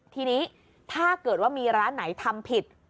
ทีนี้ถ้าเกิดว่ามีร้านไหนทำผิด